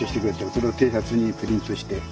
それをＴシャツにプリントして。